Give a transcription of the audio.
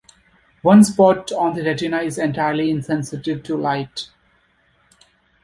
One spot on the retina is entirely insensitive to light.